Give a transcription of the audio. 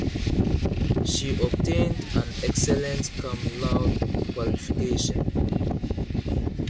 She obtained an Excellent Cum Laude qualification.